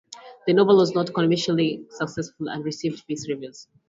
The novel was not commercially successful and received mixed reviews.